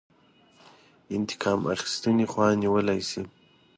انتقام اخیستنې خوا نیولی شي.